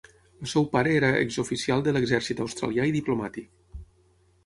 El seu pare era exoficial de l'exèrcit australià i diplomàtic.